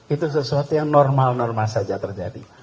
itu sesuatu yang normal normal saja terjadi